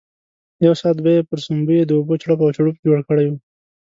یو ساعت به یې پر سومبۍ د اوبو چړپ او چړوپ جوړ کړی وو.